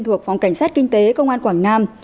thuộc phòng cảnh sát kinh tế công an quảng nam